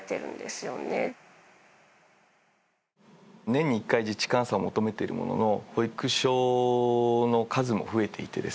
年に１回実地監査を求めているものの保育所の数も増えていてですね